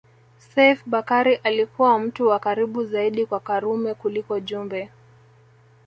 Seif Bakari alikuwa mtu wa karibu zaidi kwa Karume kuliko Jumbe